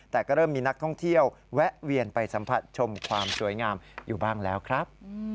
แต่ก็เริ่มมีนักท่องเที่ยวแวะเวียนไปสัมผัสชมความสวยงามอยู่บ้างแล้วครับ